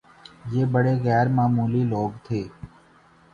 یہ بڑے غیرمعمولی لوگ تھے